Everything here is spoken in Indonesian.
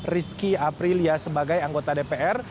rizky aprilia sebagai anggota dpr